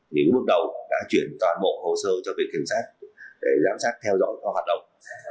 những bước đầu đã chuyển toàn bộ hồ sơ cho việc kiểm soát để giám sát theo dõi các hoạt động